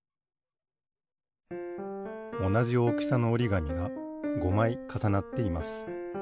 おなじおおきさのおりがみが５まいかさなっています。